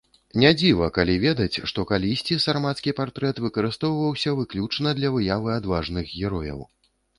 Не дзіва, калі ведаць, што калісьці сармацкі партрэт выкарыстоўваўся выключна для выявы адважных герояў.